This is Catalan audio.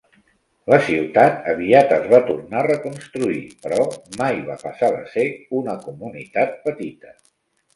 La ciutat aviat es va tornar a reconstruir, però mai va passar de ser una comunitat petita.